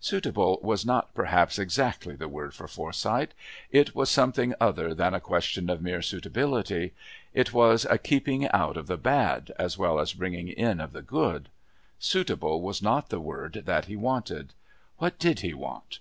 Suitable_ was not perhaps exactly the word for Forsyth. It was something other than a question of mere suitability. It was a keeping out of the bad, as well as a bringing in of the good. Suitable was not the word that he wanted. What did he want?